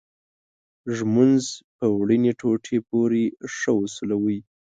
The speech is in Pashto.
ږمنځ په وړینې ټوټې پورې ښه وسولوئ.